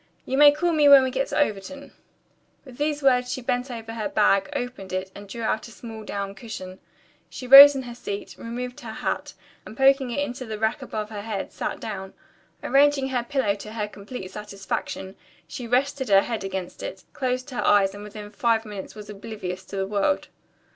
You may call me when we get to Overton." With these words she bent over her bag, opened it, and drew out a small down cushion. She rose in her seat, removed her hat, and, poking it into the rack above her head, sat down. Arranging her pillow to her complete satisfaction, she rested her head against it, closed her eyes and within five minutes was oblivious to the world.